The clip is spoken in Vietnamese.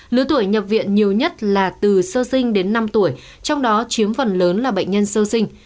lứa tuổi nhập viện nhiều nhất là từ sơ sinh đến năm tuổi trong đó chiếm phần lớn là bệnh nhân sơ sinh